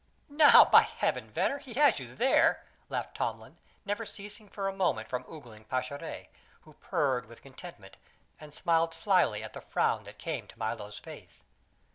"Now, by Heaven, Venner, he has you there!" laughed Tomlin, never ceasing for a moment from ogling Pascherette, who purred with contentment and smiled slyly at the frown that came to Milo's face.